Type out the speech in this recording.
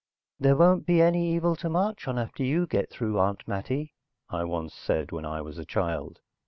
"There won't be any evil to march on after you get through, Aunt Mattie," I once said when I was a child.